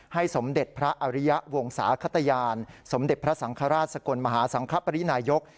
สมเด็จพระอริยะวงศาขตยานสมเด็จพระสังฆราชสกลมหาสังคปรินายก